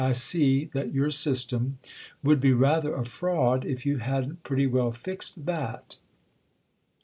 "I see that your system would be rather a fraud if you hadn't pretty well fixed that!"